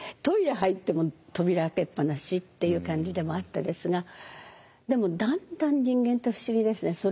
トイレ入っても扉開けっ放しっていう感じでもあったですがでもだんだん人間って不思議ですね